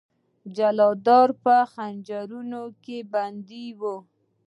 جلادان به ځنځیرونو کې بندي وي.